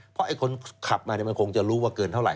เพราะไอ้คนขับมามันคงจะรู้ว่าเกินเท่าไ